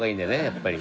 やっぱり。